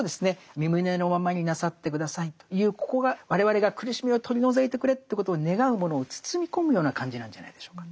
み旨のままになさって下さいというここが我々が苦しみを取り除いてくれということを願うものを包み込むような感じなんじゃないでしょうか。